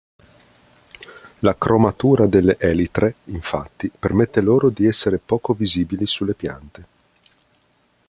La cromatura delle elitre, infatti, permette loro di essere poco visibili sulle piante.